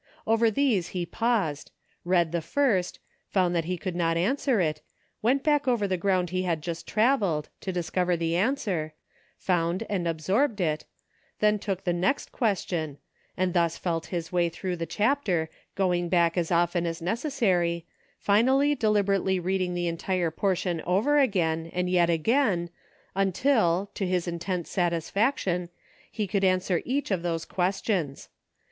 Over these he paused, read the first, found that he could not an swer it, went back over the ground he had just travelled, to discover the answer, found and ab sorbed it ; then took the next question, and thus felt his way through the chapter, going back as often as necessary, finally deliberately reading the entire portion over again, and yet again until, to his intense satisfaction, he could answer each of those questions.